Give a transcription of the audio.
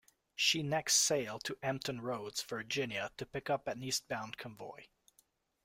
She next sailed to Hampton Roads, Virginia, to pick up an east bound convoy.